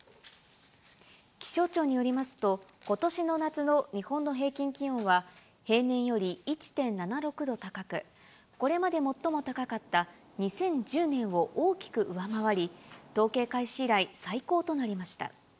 気象庁によりますと、ことしの夏の日本の平均気温は平年より１．７６度高く、これまで最も高かった２０１０年を大きく上回り、統計開始以来、最高となりました。